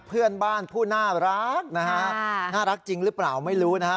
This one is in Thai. เพื่อนบ้านผู้น่ารักนะฮะน่ารักจริงหรือเปล่าไม่รู้นะฮะ